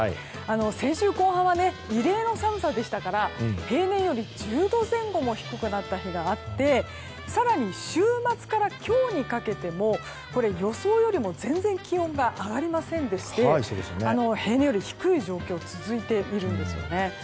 先週後半は異例の寒さでしたから平年より１０度前後も低くなった日があって更に、週末から今日にかけても予想よりも全然気温が上がりませんでして平年より低い状況続いているんですよね。